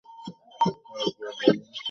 আরেকবার বলুন।